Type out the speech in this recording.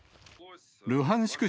ルハンシク